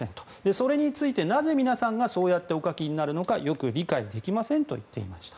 それについてなぜ皆さんがそうやってお書きになるのかよく理解できませんと言っていました。